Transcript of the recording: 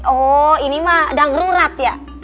oh ini mah dangrurat ya